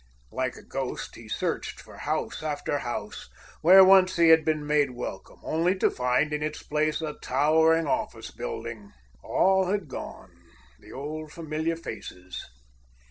Like a ghost, he searched for house after house, where once he had been made welcome, only to find in its place a towering office building. "All had gone, the old familiar faces."